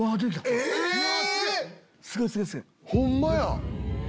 え⁉ホンマや！